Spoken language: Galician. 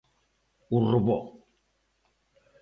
O robot.